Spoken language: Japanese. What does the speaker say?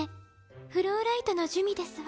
フローライトの珠魅ですわ。